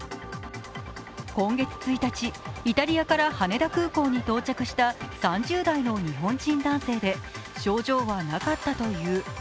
今月１日、イタリアから羽田空港に到着した３０代の日本人男性で、症状はなかったという。